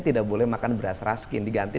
tidak boleh makan beras raskin diganti